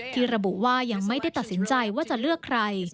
ที่ระบุว่ายังไม่ได้ตัดสินใจว่าจะเลือกใคร